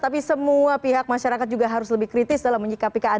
tapi semua pihak masyarakat juga harus lebih kritis dalam menyikapi keadaan